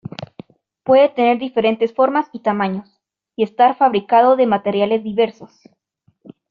Puede tener diferentes formas y tamaños, y estar fabricado de materiales diversos.